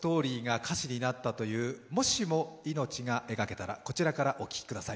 まずは舞台のストーリーが歌詞になったという「もしも命が描けたら」、こちらからお聴きください。